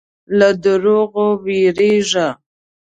له دروغو وېرېږه.